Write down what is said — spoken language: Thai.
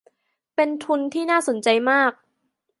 เป็นทุนที่น่าสนใจมาก